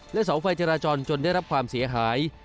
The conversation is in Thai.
เสาไฟจราจรจนได้รับความเสียหาย